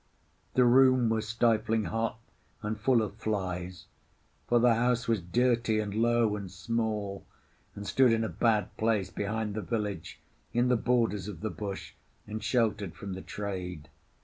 The room was stifling hot and full of flies; for the house was dirty and low and small, and stood in a bad place, behind the village, in the borders of the bush, and sheltered from the trade.